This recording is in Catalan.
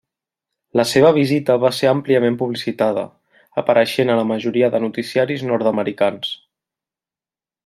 La seva visita va ser àmpliament publicitada, apareixent a la majoria de noticiaris nord-americans.